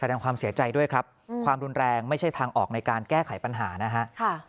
แสดงความเสียใจด้วยครับความรุนแรงไม่ใช่ทางออกในการแก้ไขปัญหานะฮะ